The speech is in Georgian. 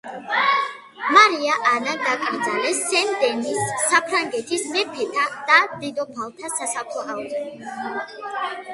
მარია ანა დაკრძალეს სენ-დენის საფრანგეთის მეფეთა და დედოფალთა სასაფლაოზე.